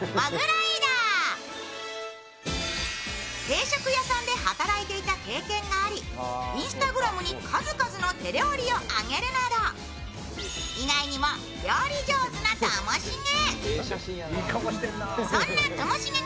定食屋さんで働いていた経験がありＩｎｓｔａｇｒａｍに数々の手料理を上げるなど、意外にも料理上手なともしげ。